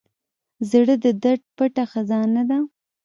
زړه د درد پټه خزانه ده.